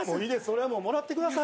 それはもうもらってください。